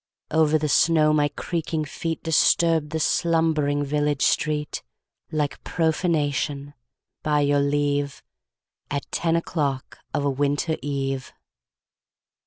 Over the snow my creaking feet Disturbed the slumbering village street Like profanation, by your leave, At ten o'clock of a winter eve.